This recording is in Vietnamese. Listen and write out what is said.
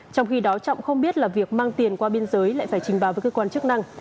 trong khi đó trọng không biết là việc mang tiền qua biên giới lại phải trình báo với cơ quan chức năng